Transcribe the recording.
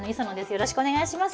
よろしくお願いします。